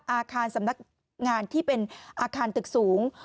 อาคารสำนักงานที่เป็นอาคารตึกสูง